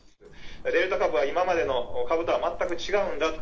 デルタ株は今までの株と全く違うんだと。